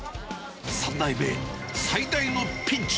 ３代目、最大のピンチ。